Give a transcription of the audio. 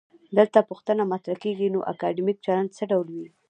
دلته پوښتنه مطرح کيږي: نو اکادمیک چلند څه ډول وي؟